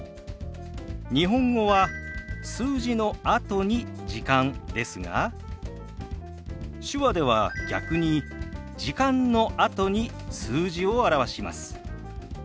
日本語は数字のあとに「時間」ですが手話では逆に「時間」のあとに数字を表します。